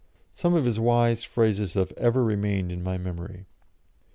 Some of his wise phrases have ever remained in my memory.